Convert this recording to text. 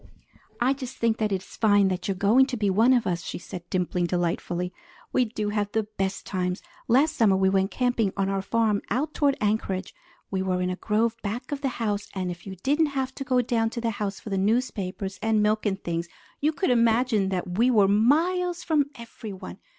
"I just think it is fine that you are going to be one of us," she said, dimpling delightfully. "We do have the best times! Last summer we went camping on our farm out toward Anchorage. We were in a grove back of the house, and if you didn't have to go down to the house for the newspapers and milk and things, you could imagine that we were miles from everyone.